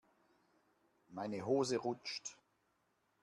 Meine Hose rutscht.